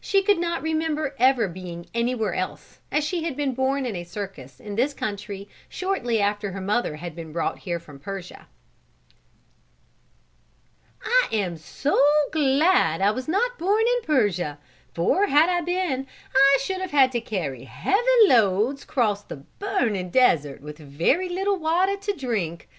She could not remember ever being anywhere else, as she had been born in a circus in this country shortly after her mother had been brought here from Persia. "I am so glad I was not born in Persia, for had I been I should have had to carry heavy loads and cross the burning desert with very little water to drink.